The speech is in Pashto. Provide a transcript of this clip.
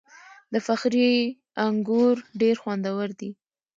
د فخری انګور ډیر خوندور دي.